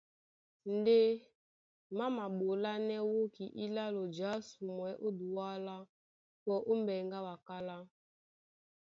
Ndé má maɓolánɛ́ wóki ílálo jǎsumwɛ́ ó Duala, pɔ ó mbɛŋgɛ a ɓakálá.